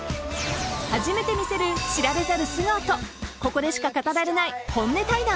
［初めて見せる知られざる素顔とここでしか語られない］